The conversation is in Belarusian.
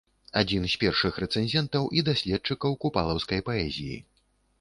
Адзін з першых рэцэнзентаў і даследчыкаў купалаўскай паэзіі.